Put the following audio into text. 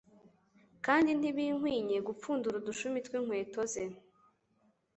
Kandi ntibinkwinye gupfurudura udushumi tw'inkweto ze."